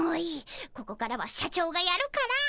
ここからは社長がやるから。